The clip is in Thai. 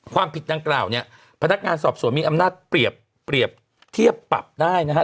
ความผิดดังกล่าวเนี่ยพนักงานสอบสวนมีอำนาจเปรียบเทียบปรับได้นะฮะ